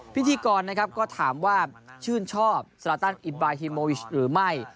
พิธีกรนะครับก็ถามว่าชื่นชอบสลาตันอิบายฮิโมวิชหรือไม่